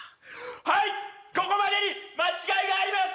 はいここまでに間違いがあります